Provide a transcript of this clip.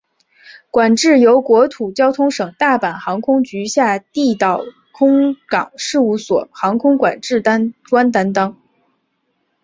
管制由国土交通省大阪航空局下地岛空港事务所航空管制官担当。